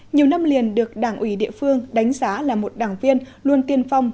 nhiều năm liền được đảng ủy địa phương đánh giá là một đảng viên luôn tiên phong